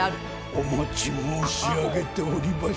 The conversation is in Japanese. お待ち申し上げておりました。